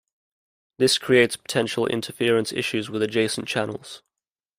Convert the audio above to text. This creates potential interference issues with adjacent channels.